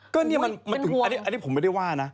ก็อันนี้มันดูเพราะว่าถึงอันนี้ผมไม่ได้ว่านนะ